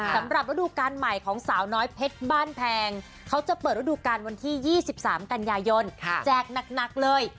ฤดูการใหม่ของสาวน้อยเพชรบ้านแพงเขาจะเปิดฤดูการวันที่๒๓กันยายนแจกหนักเลย